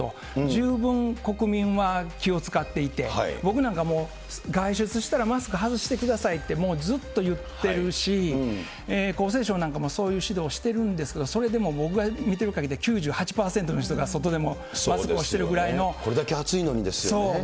十分国民は気を遣っていて、僕なんかも外出したらマスク外してくださいってずっと言ってるし、厚生省なんかもそういう指導しているんですけれども、それでも僕が見てるかぎりでは９８％くらいの人が外でもマスクこれだけ暑いのにですよね。